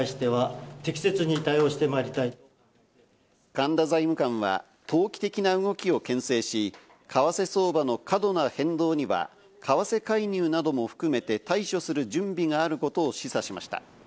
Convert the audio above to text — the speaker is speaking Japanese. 神田財務官は投機的な動きをけん制し、為替相場の過度な変動には為替介入なども含めて対処する準備があることを示唆しました。